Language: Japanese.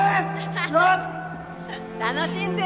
な楽しんで！